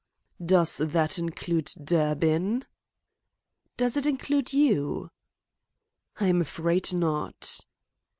"Does that include Durbin?" "Does it include you?" "I am afraid not."